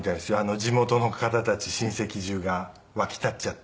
地元の方たち親戚中が沸き立っちゃって。